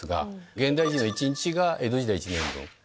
現代人の一日が江戸時代１年分。